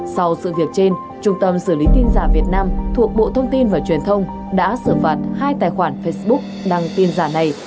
sau sự việc trên trung tâm xử lý tin giả việt nam thuộc bộ thông tin và truyền thông đã xử phạt hai tài khoản facebook đăng tin giả này